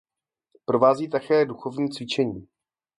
Provází také duchovní cvičení.